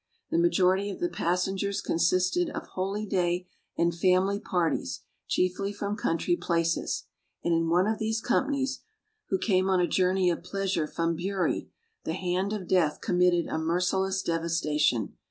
The majority of the passengers consisted of holyday and family parties, chiefly from country places; and in one of these companies, who came on a journey of pleasure from Bury, the hand of death committed a merciless devastation.